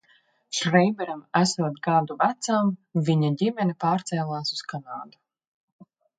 Šreiberam esot gadu vecam, viņa ģimene pārcēlās uz Kanādu.